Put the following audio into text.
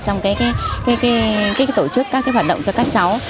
trong cái tổ chức các cái hoạt động cho các cháu